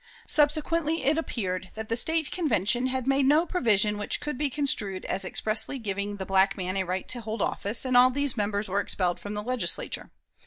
Subsequently it appeared that the State Convention had made no provision which could be construed as expressly giving the black man a right to hold office, and all these members were expelled from the Legislature.